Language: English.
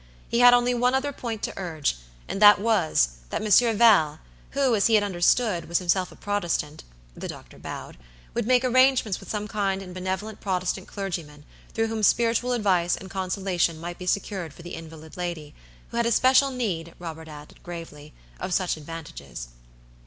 He had only one other point to urge, and that was, that Monsieur Val, who, as he had understood, was himself a Protestantthe doctor bowedwould make arrangements with some kind and benevolent Protestant clergyman, through whom spiritual advice and consolation might be secured for the invalid lady; who had especial need, Robert added, gravely, of such advantages.